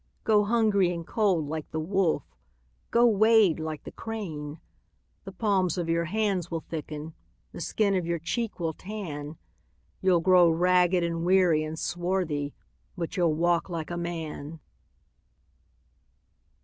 Go hungry and cold like the wolf, Go wade like the crane:The palms of your hands will thicken, The skin of your cheek will tan, You 'll grow ragged and weary and swarthy, But you 'll walk like a man!